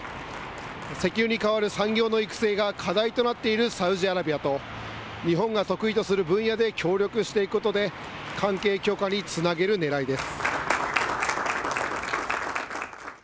石油に代わる産業の育成が課題となっているサウジアラビアと、日本が得意とする分野で協力していくことで、関係強化につなげるねらいです。